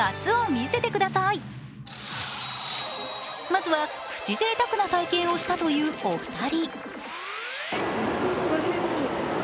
まずは、プチぜいたくな体験をしたというお二人。